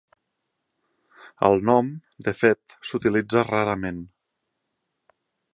El nom de fet s'utilitza rarament.